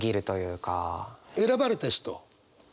選ばれた人？